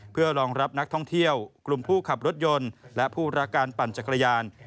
เพื่อรองรับนักท่องเที่ยวกลุ่มผู้ขับรถยนต์และผู้รักการปั่นจักรยาน